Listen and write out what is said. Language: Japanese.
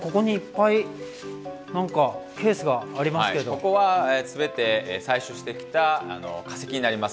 ここは全て採集してきた化石になります。